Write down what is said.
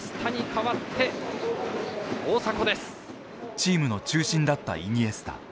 チームの中心だったイニエスタ。